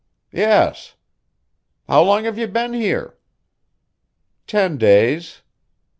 "Yes." "How long have you been here?" "Ten days."